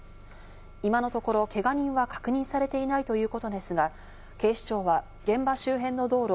今のところ、けが人は確認されていないということですが、警視庁は現場周辺の道路